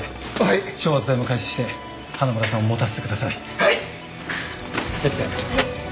はい。